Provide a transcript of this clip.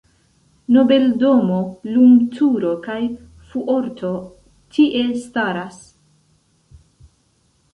Nobeldomo, lumturo kaj fuorto tie staras.